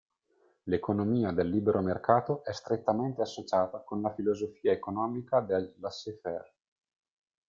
L'economia del libero mercato è strettamente associata con la filosofia economica del "laissez faire.